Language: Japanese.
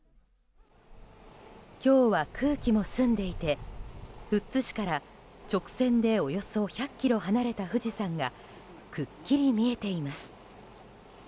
今日は空気も澄んでいて富津市から直線でおよそ１００ｋｍ離れた富士山がくっきり見えています。